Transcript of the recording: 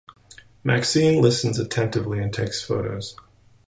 Maxine listens attentively and takes photos.